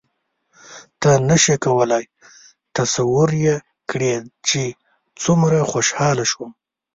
ته نه شې کولای تصور یې کړې چې څومره خوشحاله شوم.